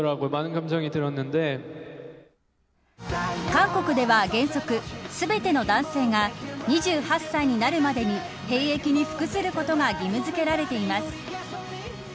韓国では原則全ての男性が２８歳になるまでに兵役に服することが義務づけられています。